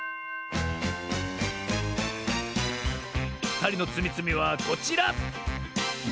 ふたりのつみつみはこちら！